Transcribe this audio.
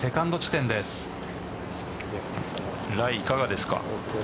ライいかがですか。